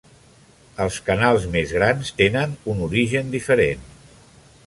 Els canals més grans tenen un origen diferent.